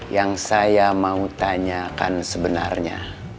yang saya mau tanyakan sebenarnya